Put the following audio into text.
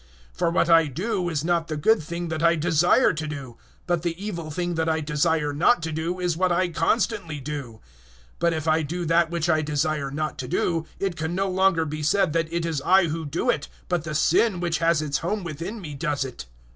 007:019 For what I do is not the good thing that I desire to do; but the evil thing that I desire not to do, is what I constantly do. 007:020 But if I do that which I desire not to do, it can no longer be said that it is I who do it, but the sin which has its home within me does it.